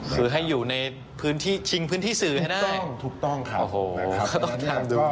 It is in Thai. คือให้อยู่ในพื้นที่ชิงพื้นที่สื่อให้ได้ถูกต้องครับโอ้โห